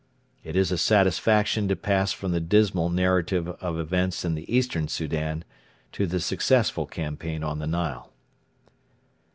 It is a satisfaction to pass from the dismal narrative of events in the Eastern Soudan to the successful campaign on the Nile.